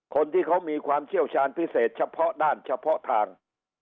คนที่เขามีความเชี่ยวชาญพิเศษเฉพาะด้านเฉพาะทาง